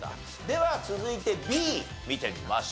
では続いてＢ見てみましょう。